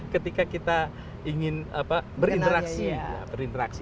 ketika kita ingin berinteraksi